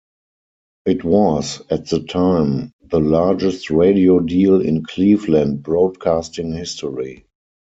It was, at the time, the largest radio deal in Cleveland broadcasting history.